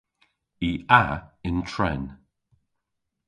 I a yn tren.